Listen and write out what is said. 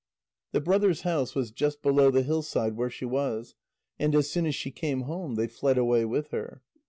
The brothers' house was just below the hillside where she was, and as soon as she came home, they fled away with her.